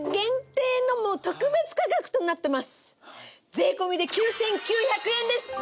税込で９９００円です！